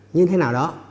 như thế nào đó